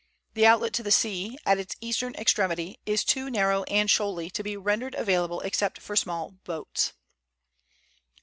The outlet to the sea, at its eastern extremity, is too narrow and shoaly to be rendered available except for small boats.